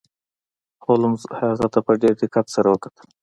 هولمز هغه ته په ډیر دقت سره وکتل.